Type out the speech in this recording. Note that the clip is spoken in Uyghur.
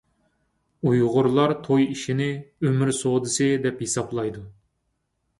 ئۇيغۇرلار توي ئىشىنى «ئۆمۈر سودىسى» دەپ ھېسابلايدۇ.